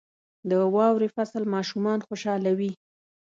• د واورې فصل ماشومان خوشحالوي.